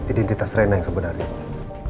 identitas reina yang sebenarnya